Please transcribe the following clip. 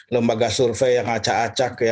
lembaga survei yang acak acak ya